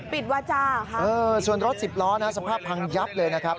วาจาค่ะเออส่วนรถสิบล้อนะฮะสภาพพังยับเลยนะครับ